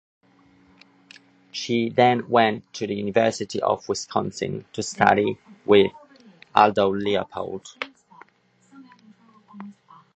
She then went to the University of Wisconsin to study with Aldo Leopold.